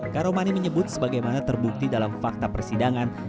karomani menyebut sebagaimana terbukti dalam fakta persidangan